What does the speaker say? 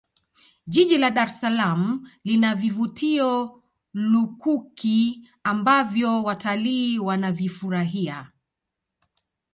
jiji la dar es salaam lina vivutio lukuki ambavyo watalii Wanavifurahia